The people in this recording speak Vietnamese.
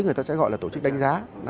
người ta sẽ gọi là tổ chức đánh giá